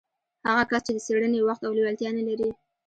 هغه کس چې د څېړنې وخت او لېوالتيا نه لري.